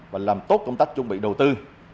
và làm tốt công tác chuẩn bị đầu tư